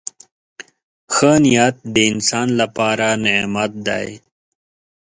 • ښه نیت د انسان لپاره نعمت دی.